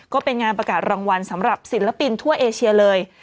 ก็เป็นงานประกาศรางวัลสำหรับศิลปินทั่วเอเชียเลย